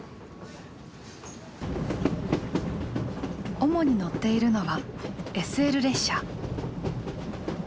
主に乗っているのはＳＬ列車。